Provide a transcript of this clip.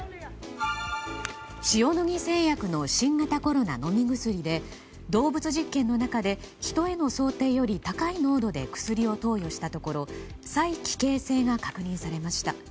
塩野義製薬の新型コロナ飲み薬で動物実験の中で人への想定より高い濃度で薬を投与したところ催奇形性が確認されました。